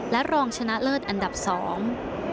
และรองชนะเลิศอันดับสอง